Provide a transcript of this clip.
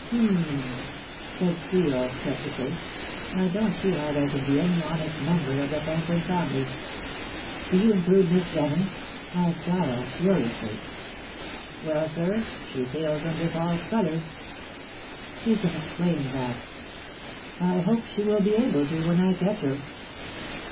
"H'm!" said Steel sceptically. "I don't see how there can be any honest member of the Franklin family." "Do you include Miss Denham?" asked Giles furiously. "Well, sir, she sails under false colors." "She can explain that." "I hope she will be able to when I catch her."